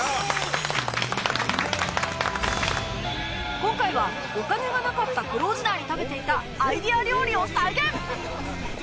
今回はお金がなかった苦労時代に食べていたアイデア料理を再現